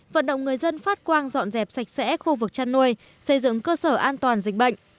vận động người dân phát quang dọn dẹp sạch sẽ khu vực chăn nuôi xây dựng cơ sở an toàn dịch bệnh